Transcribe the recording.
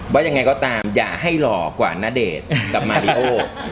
ว่ายังไงก็ตามอย่าให้หล่อกว่าณเดชน์กับมาริโอ